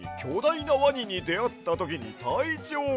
いなワニにであったときにたいちょうが。